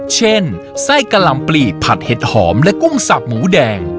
เช่นไส้กะลำปลีกผัดเห็ดหอมและกุ้งสับหมูแดง